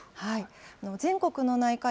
全国の内科医